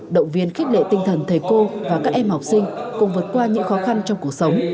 động viên khích lệ tinh thần thầy cô và các em học sinh cùng vượt qua những khó khăn trong cuộc sống